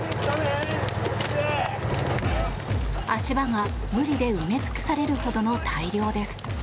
足場が、ブリで埋め尽くされるほどの大漁です。